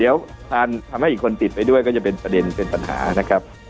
เดี๋ยวทำให้อีกคนติดไปด้วยก็จะเป็นประเด็นเป็นปัญหานะครับ